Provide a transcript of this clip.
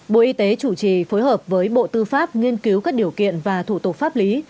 bộ y tế chủ trì phối hợp với bộ tư pháp nghiên cứu các điều kiện và thủ tục pháp lý